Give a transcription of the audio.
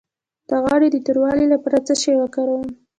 د غاړې د توروالي لپاره څه شی وکاروم؟